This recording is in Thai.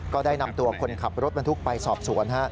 ก็ได้นำตัวคนขับรถบรรทุกไปสอบสวน